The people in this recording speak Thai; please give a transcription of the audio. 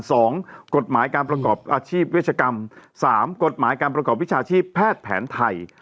สองกฎหมายการประกอบอาชีพเวชกรรมสามกฎหมายการประกอบวิชาชีพแพทย์แผนไทย